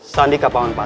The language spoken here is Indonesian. sandi kak paman pati